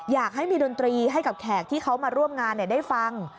อยากให้มีดนตรีให้กับแขกที่เขามาร่วมงานได้ฟัง